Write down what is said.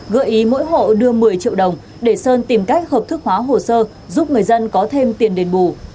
gợi ý mỗi hộ đưa một mươi triệu đồng để sơn tìm cách hợp thức hóa hồ sơ giúp người dân có thêm tiền đền bù